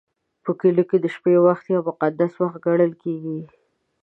په کلیو کې د شپې وخت یو مقدس وخت ګڼل کېږي.